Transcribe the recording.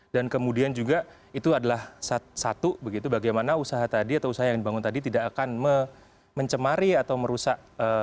dan kemudian juga itu adalah satu bagaimana usaha yang dibangun tadi tidak akan mencemari atau merusak